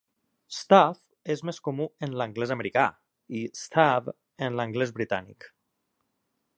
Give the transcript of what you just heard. "Staff" és més comú en l'anglès americà, i "stave" en l'anglès britànic.